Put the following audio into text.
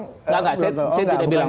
tidak tidak saya tidak bilang